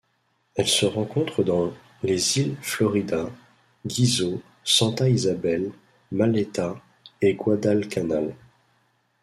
Elle se rencontre dans les îles Florida, Ghizo, Santa Isabel, Malaita et Guadalcanal.